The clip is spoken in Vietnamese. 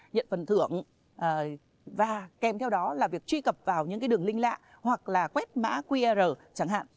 nhận phần thưởng và kèm theo đó là việc truy cập vào những cái đường link lạ hoặc là quét mã qr chẳng hạn